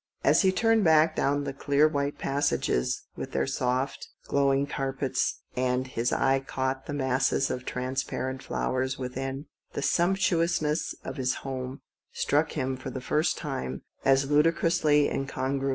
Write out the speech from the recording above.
And as he turned back down the clear white passages, with their soft, glowing carpets, their masses of transparent flowers, the sumptuousness of his home struck him for the first time as ludicrously incongruous.